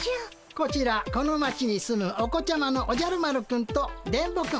こちらこの町に住むお子ちゃまのおじゃる丸くんと電ボくん。